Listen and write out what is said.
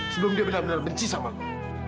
sebelum dia benar benar benci sama lu